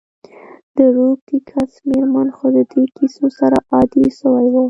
د روږدې کس میرمن خو د دي کیسو سره عادي سوي وه.